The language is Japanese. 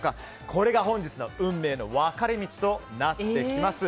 これが本日の運命の分かれ道となってきます。